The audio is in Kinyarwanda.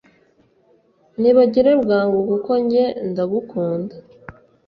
nibagire bwangu kuko nge ndagukunda